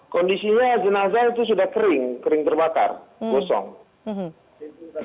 kondisinya jenazah itu sudah kering kering terbakar gosong